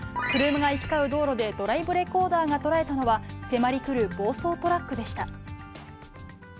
車が行き交う道路でドライブレコーダーが捉えたのは、迫り来る暴走トラックでした。